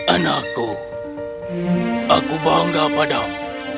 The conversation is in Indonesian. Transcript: anakku aku bangga padam